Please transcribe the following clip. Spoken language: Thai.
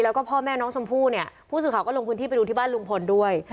แล้วก็พ่อแม่น้องชมพู่เนี่ยผู้สื่อข่าวก็ลงพื้นที่ไปดูที่บ้านลุงพลด้วย